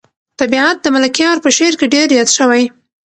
طبیعت د ملکیار په شعر کې ډېر یاد شوی.